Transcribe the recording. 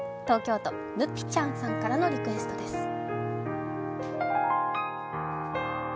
東京都ヌぴちゃんさんからのリクエストです。